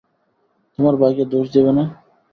তোমার ভাইকে দোষ দেবে না?